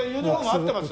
合ってます。